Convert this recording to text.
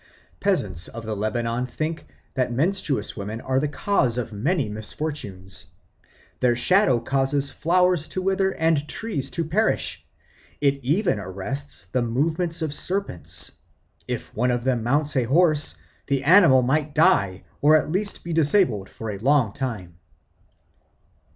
Peasants of the Lebanon think that menstruous women are the cause or many misfortunes; their shadow causes flowers to wither and trees to perish, it even arrests the movements of serpents; if one of them mounts a horse, the animal might die or at least be disabled for a long time.